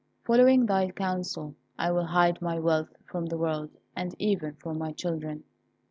Following thy counsel, I will hide my wealth from the world, and even from my children.